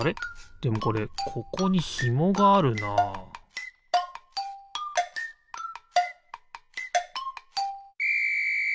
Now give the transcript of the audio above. でもこれここにひもがあるなあピッ！